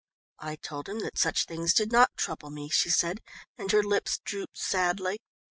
"I told him that such things did not trouble me," she said, and her lips drooped sadly.